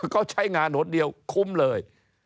เขาใช้งานหนเดียวคุ้มเลย